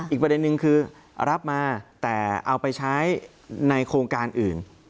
อีกประเด็นนึงคือรับมาแต่เอาไปใช้ในโครงการอื่น